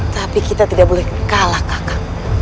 tapi kita tidak boleh kalah kakak